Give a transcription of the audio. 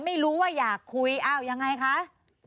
ไม่รู้ว่าอยากคุยอ้าวยังไงคะ